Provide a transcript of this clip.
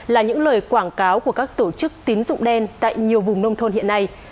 là những lời quảng cáo của các tổ chức tín dụng đen tại nhiều vùng nông thôn hiện nay